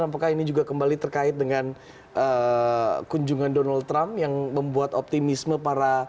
apakah ini juga kembali terkait dengan kunjungan donald trump yang membuat optimisme para